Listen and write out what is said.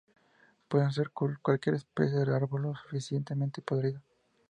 Pueden usar cualquier especie de árbol lo suficientemente podrido.